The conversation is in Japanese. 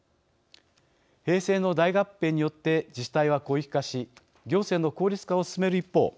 平成の大合併によって自治体は広域化し行政の効率化を進める一方